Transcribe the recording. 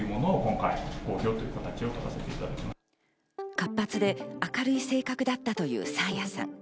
活発で明るい性格だったという爽彩さん。